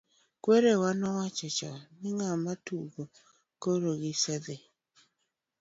Kwerawa nowacho chon , ni ng'ama tugo kor gi isidho.